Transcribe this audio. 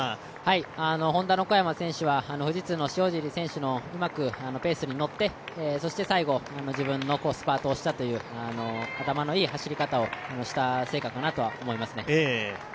Ｈｏｎｄａの小山選手は富士通の塩尻選手のうまくペースに乗って、そして最後自分のスパートをしたという、頭のいい走りをしたと思います。